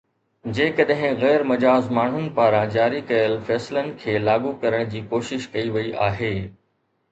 جيڪڏهن غير مجاز ماڻهن پاران جاري ڪيل فيصلن کي لاڳو ڪرڻ جي ڪوشش ڪئي وئي آهي